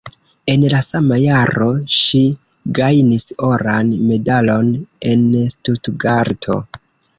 En la sama jaro ŝi gajnis oran medalon en Stutgarto.